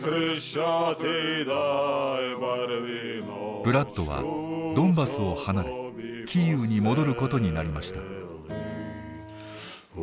ブラッドはドンバスを離れキーウに戻ることになりました。